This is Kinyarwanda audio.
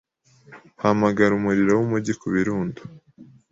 Hamagara umuriro mumujyi Kubirundo